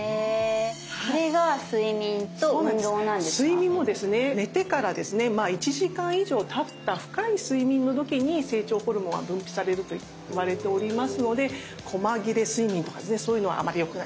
睡眠もですね寝てから１時間以上たった深い睡眠の時に成長ホルモンが分泌されるといわれておりますのでこま切れ睡眠とかそういうのはあまりよくないんですね。